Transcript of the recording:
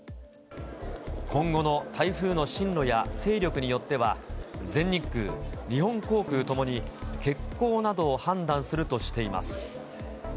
今後の台風の進路や勢力によっては、全日空、日本航空ともに欠航などを判断するとしています。